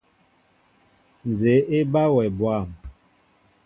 Nzѐe eba wɛ bwȃm.